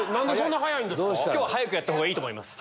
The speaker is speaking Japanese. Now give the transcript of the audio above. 今日は早くやった方がいいと思います。